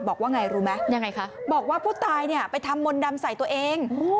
บอกว่าไงรู้ไหมบอกว่าผู้ตายไปทำมนต์ดำใส่ตัวเอง